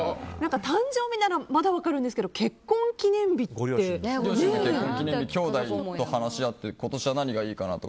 誕生日ならまだ分かるんですけどきょうだいと話し合って今年は何がいいかなって。